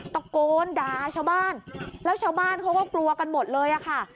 ตะโกนด่าชาวบ้านแล้วชาวบ้านเขาก็กลัวกันหมดเลยอะค่ะ